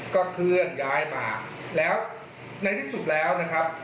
ก็เคลื่อนย้ายมาแล้วในที่สุดแล้วนะครับ